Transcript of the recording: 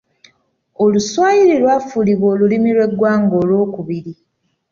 Oluswayiri lwafuulibwa olulimi lw’eggwanga olwokubiri.